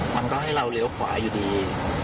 มันก็ให้เราเลี้ยวขวาอยู่ดี